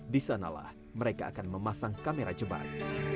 di sanalah mereka akan memasang kamera jebat